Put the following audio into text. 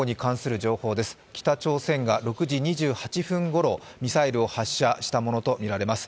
北朝鮮が６時２８分ごろミサイルを発射したとみられます。